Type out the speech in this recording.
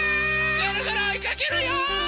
ぐるぐるおいかけるよ！